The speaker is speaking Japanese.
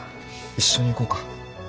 一緒に行こうか？